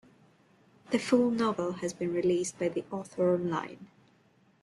The full novel has been released by the author online.